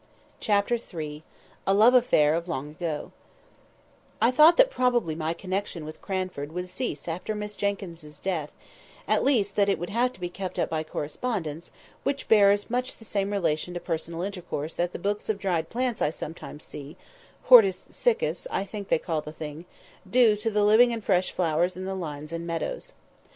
CHAPTER III. A LOVE AFFAIR OF LONG AGO I THOUGHT that probably my connection with Cranford would cease after Miss Jenkyns's death; at least, that it would have to be kept up by correspondence, which bears much the same relation to personal intercourse that the books of dried plants I sometimes see ("Hortus Siccus," I think they call the thing) do to the living and fresh flowers in the lanes and meadows.